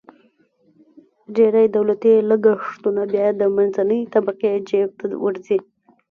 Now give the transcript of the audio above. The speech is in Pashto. ډېری دولتي لګښتونه بیا د منځنۍ طبقې جیب ته ورځي.